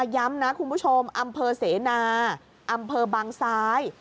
ย้ำนะคุณผู้ชมอำเภอเสนาอำเภอบางซ้าย